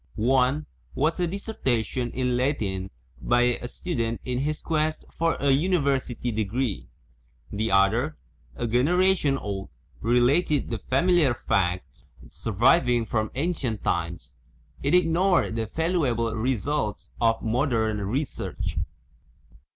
One was a dissertation in Latin by a student in his quest for a university degree; the other, a generation old, related the familia r facts ui iv PREFACE surviving from ancient times; it ignored the valu able results of modern research.